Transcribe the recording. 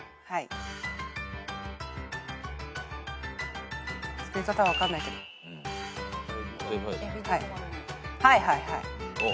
はいはいはい。